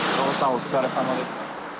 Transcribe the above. お疲れさまです。